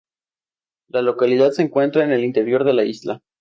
La localidad se encuentra en el interior de la isla.